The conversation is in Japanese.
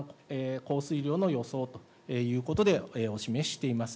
降水量の予想ということでお示ししています。